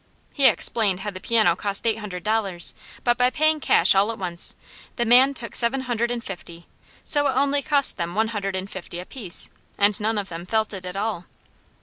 He explained how the piano cost eight hundred dollars, but by paying cash all at once, the man took seven hundred and fifty, so it only cost them one hundred and fifty a piece, and none of them felt it at all.